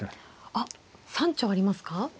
あっ三鳥ありますか。